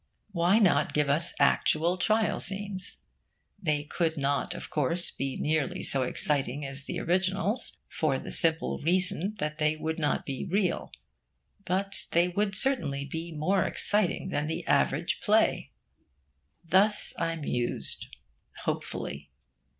Why not give us actual trial scenes? They could not, of course, be nearly so exciting as the originals, for the simple reason that they would not be real; but they would certainly be more exciting than the average play. Thus I mused, hopefully.